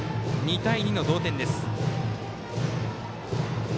２対２の同点です。